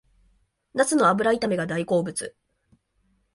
ナスの油炒めが大好物